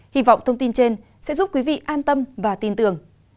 hy vọng thông tin trên sẽ giúp quý vị an tâm và tin tưởng